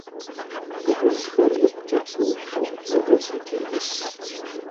Дыгъужьхэр икъукӏэ псэущхьэ губзыгъэщ икӏи ӏущщ.